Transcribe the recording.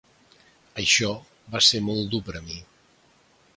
Això va ser molt dur per a mi.